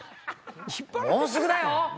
もうすぐだよ？